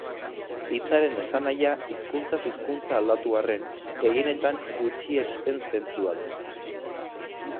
Hitzaren esanahia hizkuntzaz hizkuntza aldatu arren, gehienetan gutxiespen-zentzua du.